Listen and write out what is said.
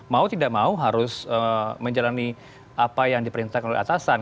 mau tidak mau harus menjalani apa yang diperintahkan oleh atasan